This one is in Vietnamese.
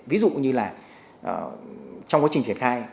ví dụ như là trong quá trình triển khai